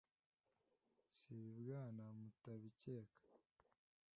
Si ibibwana mutabikeka!